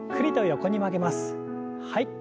はい。